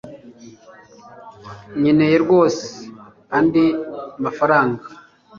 nkeneye rwose andi mafaranga